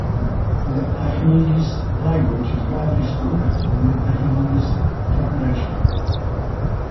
The Acehnese language is widely spoken within the Acehnese population.